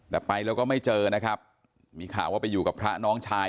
แต่ไปแล้วก็ไม่เจอนะครับมีข่าวว่าไปอยู่กับพระน้องชาย